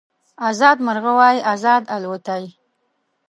ازاد مرغه وای ازاد الوتای